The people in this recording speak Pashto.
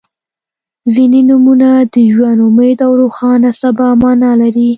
• ځینې نومونه د ژوند، امید او روښانه سبا معنا لري.